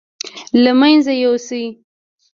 له مېنځه يوسي.